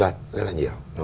rất là nhiều